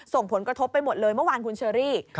ส่งผลกระทบไปหมดเลยเมื่อวานคุณเชอรี่